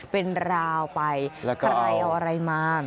เป็นราวไปแล้วก็ใครเอาอะไรมา